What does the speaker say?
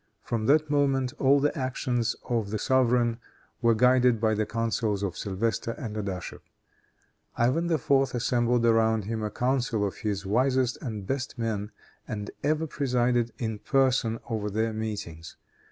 From that moment all the actions of the sovereign were guided by the counsels of Sylvestre and Adachef. Ivan IV. assembled around him a council of his wisest and best men, and ever presided in person over their meetings.